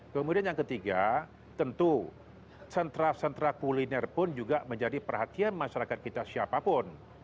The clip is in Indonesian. kemudian yang ketiga tentu sentra sentra kuliner pun juga menjadi perhatian masyarakat kita siapapun